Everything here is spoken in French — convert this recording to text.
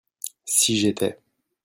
Si j'étais.